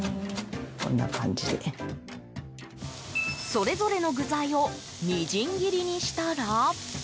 それぞれの具材をみじん切りにしたら。